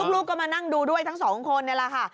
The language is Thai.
ลูกก็มานั่งดูด้วยทั้งสองคนนี่แหละค่ะ